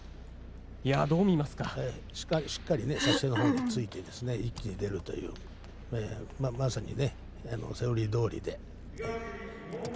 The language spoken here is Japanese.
しっかりと突いて一気に出るというまさにセオリーどおりで。